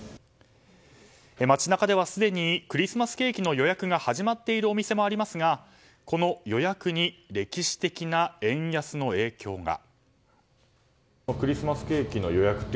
街中ではすでにクリスマスケーキの予約が始まっているお店もありますがこの予約に歴史的な円安の影響が。